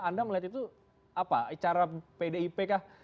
anda melihat itu apa cara pdip kah